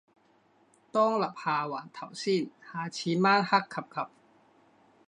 當立下環頭先，下次晚黑 𥄫𥄫